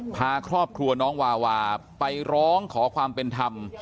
พาครอบครัวน้องวาวาไปร้องขอความเป็นธรรม